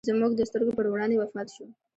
زموږ د سترګو پر وړاندې وفات شو.